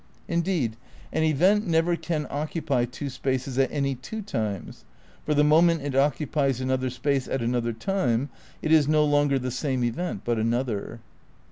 Indeed an event never can occupy two spaces at any two times, for the moment it occupies another space at another time it is no longer the same event but another.